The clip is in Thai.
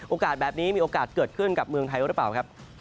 โอกาสแบบนี้มีโอกาสเกิดขึ้นกับเมืองไทยหรือเปล่าครับ